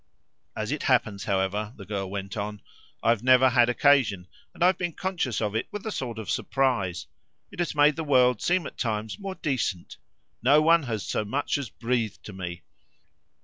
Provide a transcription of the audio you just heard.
As it happens, however," the girl went on, "I've never had occasion, and I've been conscious of it with a sort of surprise. It has made the world seem at times more decent. No one has so much as breathed to me.